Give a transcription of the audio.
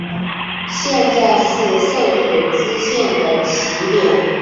现在是圣水支线的起点。